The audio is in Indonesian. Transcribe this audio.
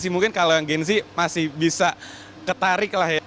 mungkin kalau yang genzi masih bisa ketarik lah ya